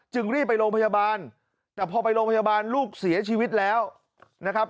รีบไปโรงพยาบาลแต่พอไปโรงพยาบาลลูกเสียชีวิตแล้วนะครับ